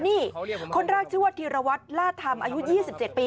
นี่คนแรกชื่อว่าธีรวัตรล่าธรรมอายุ๒๗ปี